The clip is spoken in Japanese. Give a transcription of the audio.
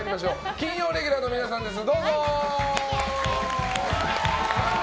金曜レギュラーの皆さんです。